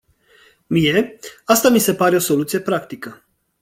Mie, asta mi se pare o soluție practică.